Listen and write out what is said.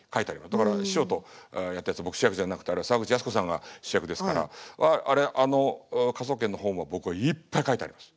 だから師匠とやったやつ僕主役じゃなくてあれは沢口靖子さんが主役ですからあれあの「科捜研」の本は僕はいっぱい書いてあります。